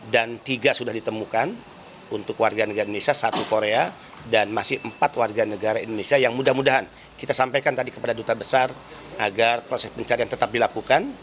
dan tiga sudah ditemukan untuk warga negara indonesia satu korea dan masih empat warga negara indonesia yang mudah mudahan kita sampaikan tadi kepada duta besar agar proses pencarian tetap dilakukan